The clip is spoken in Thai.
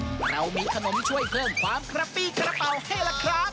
เรามีขนมช่วยเพิ่มความกระปี้กระเป๋าให้ล่ะครับ